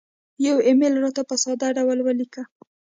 یو ایمیل راته په ساده ډول ولیکه